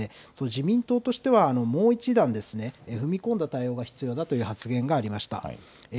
自民党としては、もう一段ですね踏み込んだ対応が必要だという発言がありました。